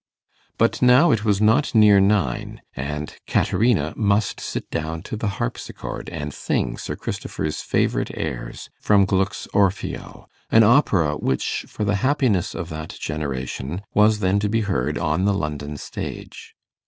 But now it was not near nine, and Caterina must sit down to the harpsichord and sing Sir Christopher's favourite airs from Gluck's 'Orfeo', an opera which, for the happiness of that generation, was then to be heard on the London stage.